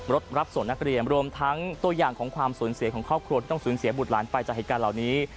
รับส่งนักเรียนรวมทั้งตัวอย่างของความสูญเสียของครอบครัวที่ต้องสูญเสียบุตรหลานไปจากเหตุการณ์เหล่านี้